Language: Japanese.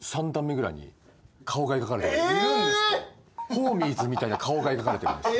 ホーミーズみたいな顔が描かれてるんです。